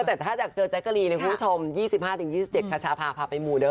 แต่ถ้าอยากเจอแจ๊กกะรีนคุณผู้ชม๒๕๒๗คชาพาพาไปมูเด้อ